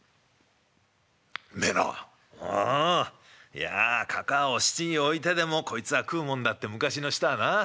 いやかかあを質に置いてでもこいつは食うもんだって昔の人はなあ。